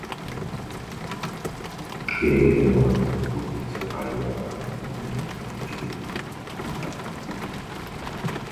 Και ήρεμα βούτηξε πάλι ο Αφράτος τη μύτη του στη σούπα